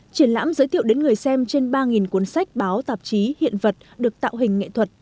triển lãm giới thiệu đến người xem trên ba cuốn sách báo tạp chí hiện vật được tạo hình nghệ thuật